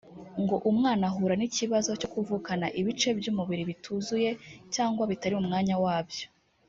ngo umwana ahura n’ikibazo cyo kuvukana ibice by’umubiri bituzuye cyangwa bitari mu mwanya wabyo